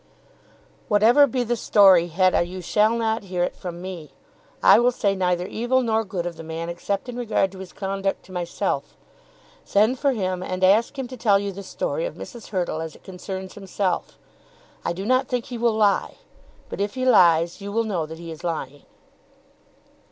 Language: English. "Whatever be the story, Hetta, you shall not hear it from me. I will say neither evil nor good of the man except in regard to his conduct to myself. Send for him and ask him to tell you the story of Mrs. Hurtle as it concerns himself. I do not think he will lie, but if he lies you will know that he is lying."